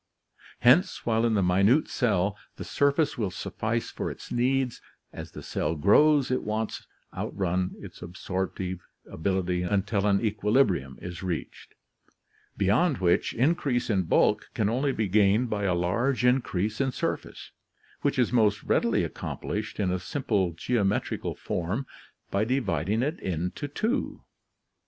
Hence, while in the minute cell the surface will suffice for its needs, as the cell grows its wants outrun its absorptive ability until an equilibrium is reached, beyond which increase in bulk can only be gained by a large increase in surface, which is most readily accomplished in a simple geometrical form by dividing it into two.